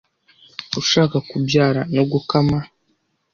ushaka kubyara no gukama